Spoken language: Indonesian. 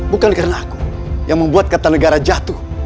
bukan karena aku yang membuat kata negara jatuh